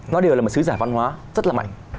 nó đều là một sứ giả văn hóa rất là mạnh